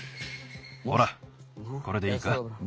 ほらこれでいいか？